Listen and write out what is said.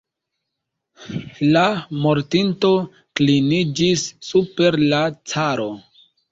La mortinto kliniĝis super la caro.